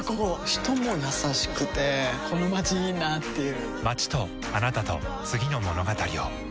人も優しくてこのまちいいなぁっていう